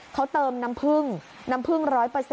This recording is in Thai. เขาเติมน้ำผึ้งน้ำผึ้ง๑๐๐